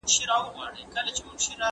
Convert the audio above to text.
هیڅوک باید د خپل عمر په خاطر ونه ځورول سي.